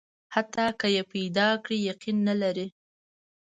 حتی که یې پیدا کړي، یقین نه لري.